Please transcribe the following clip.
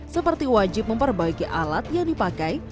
seperti wajib memperbaiki alat yang dipakai